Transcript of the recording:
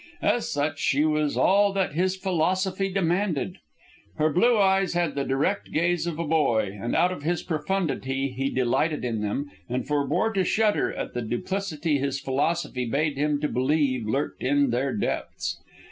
As such, she was all that his philosophy demanded. Her blue eyes had the direct gaze of a boy, and out of his profundity he delighted in them and forbore to shudder at the duplicity his philosophy bade him to believe lurked in their depths.